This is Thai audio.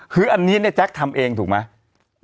คืออันนี้เนี่ยแจ๊คทำเองถูกไหม